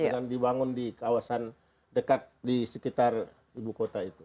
dengan dibangun di kawasan dekat di sekitar ibu kota itu